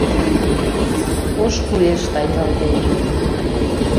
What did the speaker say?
Ош куэш тайналтен